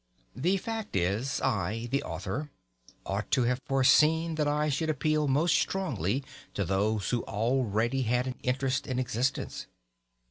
The fact is, I, the author, ought to have foreseen that I should appeal most strongly to those who already had an interest in existence.